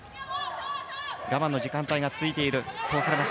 我慢の時間帯が続いている。